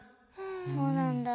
そうなんだ。